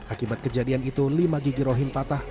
akibat kejadian itu lima gigi rohim patah